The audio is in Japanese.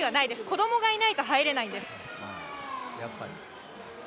子どもがいないと入れないんです。